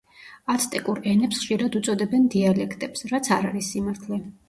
აცტეკურ ენებს ხშირად უწოდებენ დიალექტებს, რაც არ არის სიმართლე.